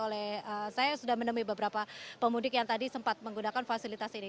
oleh saya sudah menemui beberapa pemudik yang tadi sempat menggunakan fasilitas ini